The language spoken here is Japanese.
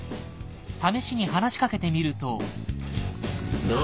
試しに話しかけてみると。